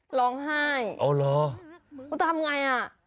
หล่อง้ายโอ้ว่าจะทำไงอ่ะ